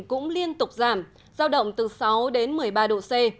cũng liên tục giảm giao động từ sáu đến một mươi ba độ c